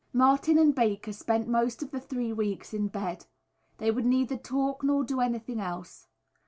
Martin and Baker spent most of the three weeks in bed. They would neither talk nor do anything else.